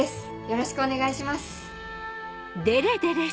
よろしくお願いします。